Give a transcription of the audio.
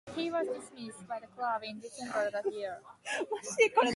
He was dismissed by the club in December that year.